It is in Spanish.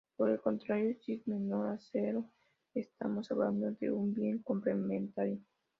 Por el contrario, si es menor a cero, estamos hablando de un bien complementario.